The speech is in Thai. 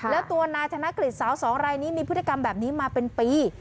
แล้วตัวนายธนกฤษสาวสองรายนี้มีพฤติกรรมแบบนี้มาเป็นปี